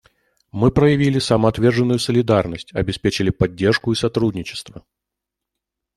Мы проявили самоотверженную солидарность, обеспечили поддержку и сотрудничество.